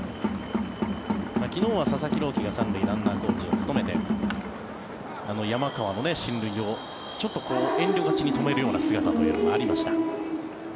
昨日は佐々木朗希が３塁ランナーコーチを務めて山川の進塁をちょっと遠慮がちに止める姿もありました。